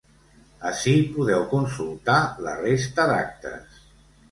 Ací podeu consultar la resta d’actes.